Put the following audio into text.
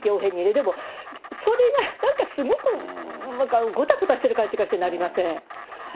でも、それがなんかすごくなんか、ごたごたしてる感じがしてなりません。